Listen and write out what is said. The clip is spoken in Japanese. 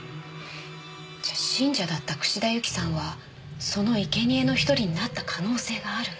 じゃあ信者だった串田ユキさんはそのいけにえの１人になった可能性がある。